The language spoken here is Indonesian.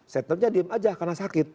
setemnya diam saja karena sakit